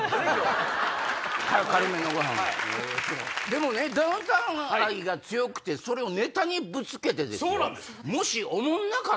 でもねダウンタウン愛が強くてそれをネタにぶつけてですよ。